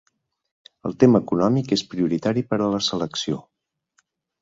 El tema econòmic és prioritari per a la selecció.